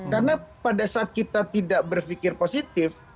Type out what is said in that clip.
karena pada saat kita tidak berpikir positif